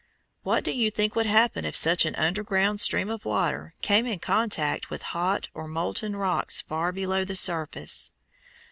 What do you think would happen if such an underground stream of water came in contact with hot or molten rocks far below the surface?